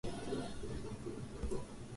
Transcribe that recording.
Milioni tatu zilizotengwa kwa ajili ya